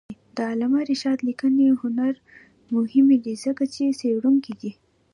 د علامه رشاد لیکنی هنر مهم دی ځکه چې څېړونکی دی.